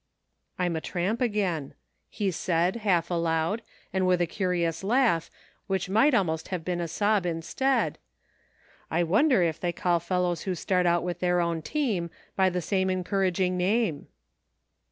"I'm a tramp again," he said, half aloud, and with a curious laugh, which might almost have been a sob, instead ;" I wonder if they call fellows 1 86 HAPPENINGS. who Start out with their own team, by the same encouraging name